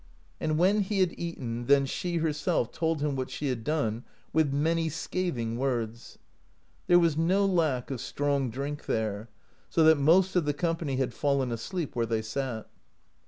And when he had eaten, then she herself told him what she had done, with many scathing words. There was no lack of strong drink there, so that most of the company had fallen asleep where they sat.